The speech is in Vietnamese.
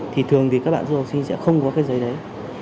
thì thường thì các bạn du học sinh sẽ không có cái giấy đấy